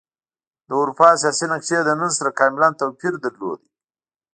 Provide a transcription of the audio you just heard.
د اروپا سیاسي نقشې له نن سره کاملا توپیر درلود.